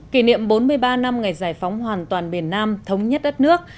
kỷ niệm bốn mươi ba năm ngày giải phóng hoàn toàn miền nam thống nhất đất nước